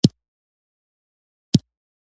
په یوولسو بجو الوتنه وشوه.